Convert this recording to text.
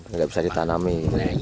nggak bisa ditanami